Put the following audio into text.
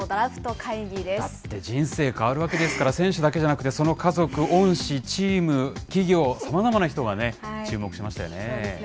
だって、人生変わるわけですから、選手だけじゃなくて、その家族、恩師、チーム、企業、さまそうですね。